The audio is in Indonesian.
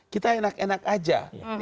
kita enak enak aja